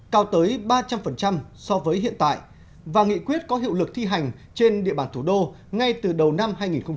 cao tới ba trăm linh so với hiện tại và nghị quyết có hiệu lực thi hành trên địa bàn thủ đô ngay từ đầu năm hai nghìn hai mươi